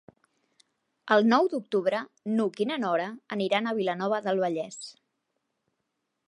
El nou d'octubre n'Hug i na Nora aniran a Vilanova del Vallès.